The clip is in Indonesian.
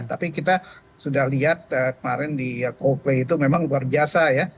tapi kita sudah lihat kemarin di coldplay itu memang luar biasa ya